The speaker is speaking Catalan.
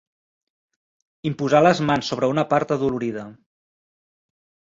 Imposar les mans sobre una part adolorida.